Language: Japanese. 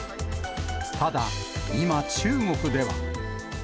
ただ、今、中国では。